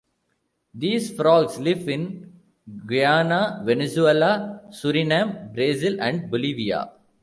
These frogs live in Guyana, Venezuela, Surinam, Brazil and Bolivia.